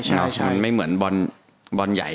ชั้นไม่เหมือนบอลใหญ่